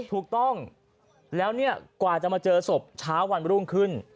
ถูกต้องแล้วเนี่ยกว่าจะมาเจอศพเช้าวันรุ่งขึ้น